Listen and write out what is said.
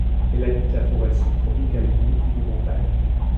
Elle habite la forêt subtropicale humide de montagne.